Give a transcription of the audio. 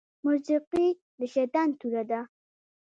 موسيقي د شيطان توره ده